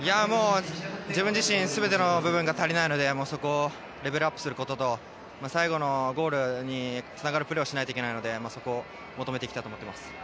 自分自身全ての部分が足りないのでそこをレベルアップすることと最後のゴールにつながるプレーをしないといけないのでそこを求めていきたいと思っています。